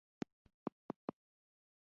ما وویل چې ژر شئ او له دې ځایه لاړ شئ